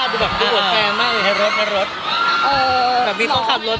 เป็นอวดแฟนเป็นอวดวิว